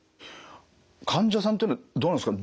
患者さんというのはどうなんですか